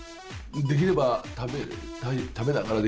できれば食べたい